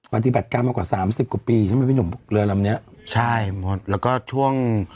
ปฏิบัติการมากว่าสามสิบกว่าปีใช่ไหมพี่หนุ่มเรือลำเนี้ยใช่แล้วก็ช่วง